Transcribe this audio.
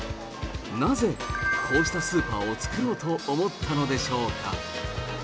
なぜ、こうしたスーパーを作ろうと思ったのでしょうか。